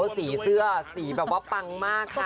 สีเสื้อสีแบบว่าปังมากค่ะ